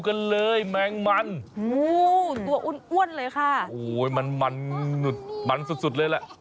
กันเลยแมงมันตัวอ้วนอ้วนเลยค่ะโอ้โหมันมันสุดสุดเลยแหละ